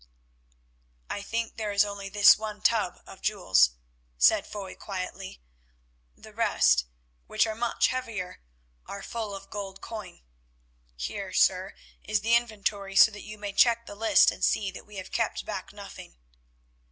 "I think there is only this one tub of jewels," said Foy quietly; "the rest, which are much heavier, are full of gold coin. Here, sir, is the inventory so that you may check the list and see that we have kept back nothing."